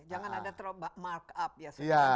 jangan ada terlalu mark up ya